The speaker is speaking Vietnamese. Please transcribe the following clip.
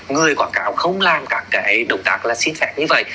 người quảng cáo không làm các động tác xin phép như vậy